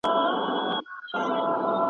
ما د مطالعې په اړه خپل نظر بيان کړ.